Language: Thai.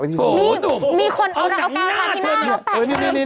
โอ้โหตู้ใส่แป๊กไว้ที่ตู